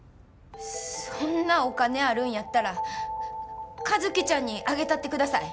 そんなお金あるんやったら和希ちゃんにあげたってください。